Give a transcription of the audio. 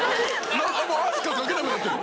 なんかもう「あ」しか書けなくなってる。